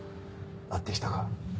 会ってきたか？